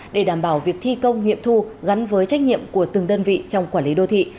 để đảm bảo việc thi công nghiệm thu gắn với trách nhiệm của từng đơn vị trong quản lý đô thị